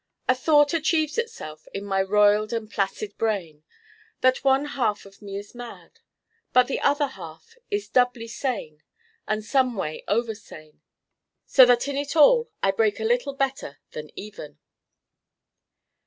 A thought achieves itself in my roiled and placid brain: that one half of me is Mad, but the other half is doubly Sane and someway over Sane, so that in it all I break a little better than even.